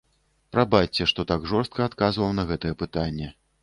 Прабачце, што так жорстка адказваў на гэтае пытанне.